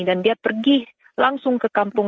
dan dia pergi langsung ke kampung